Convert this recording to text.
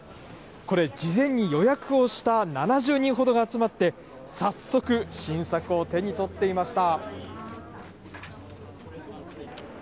これ、事前に予約をした７０人ほどが集まって、早速、新作を手に取っていました。